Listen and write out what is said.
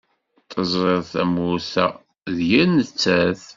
Teẓriḍ tamurt-a d yir nettat.